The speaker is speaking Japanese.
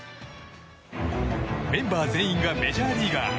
メンバー全員がメジャーリーガー。